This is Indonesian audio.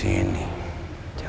yang lebih enak